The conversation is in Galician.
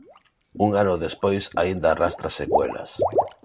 Un ano despois aínda arrastra secuelas.